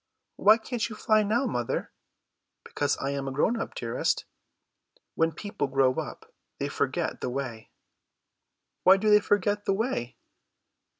"Why can't you fly now, mother?" "Because I am grown up, dearest. When people grow up they forget the way." "Why do they forget the way?"